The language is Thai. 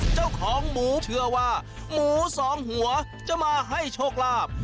เจ้าของหมูเชื่อว่าหมูสองหัวจะมาให้โชคลาภ